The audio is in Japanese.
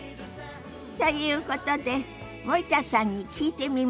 ということで森田さんに聞いてみましょ。